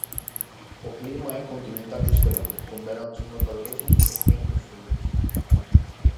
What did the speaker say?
O clima é continental extremo, con veráns moi calorosos e invernos fríos.